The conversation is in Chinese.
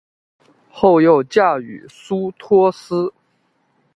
后又嫁予苏托斯。